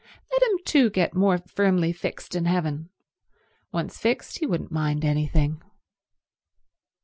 Let him too get more firmly fixed in heaven. Once fixed he wouldn't mind anything.